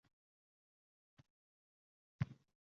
Amal kursisida o’tirganingda kim eng ko’p tovoningni yalasa